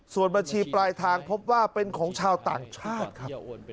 ส่วนบัญชีปลายทางพบว่าเป็นของชาวต่างชาติครับ